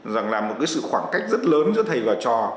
rằng là một sự khoảng cách rất lớn giữa thầy và học trò